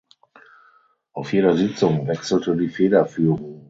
Auf jeder Sitzung wechselte die Federführung.